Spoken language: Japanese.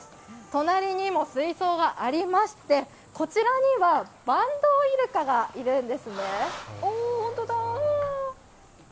隣にも水槽がありましてこちらにはバンドウイルカがいるんですね。